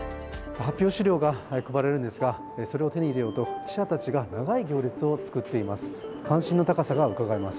発表資料が配られるんですがそれを手に入れようと記者たちが長い行列を作っています。